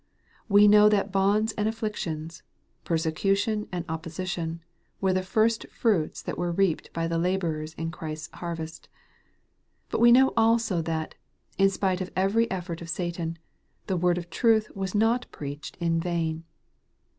We know that bonds and afflictions, persecution and opposition, were the first fruits that were reaped by the laborers in Christ's harvest. But we know also that, in spite of every effort of Satan, the word of truth was not preached in vain.